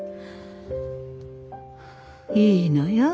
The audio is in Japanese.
いいのよ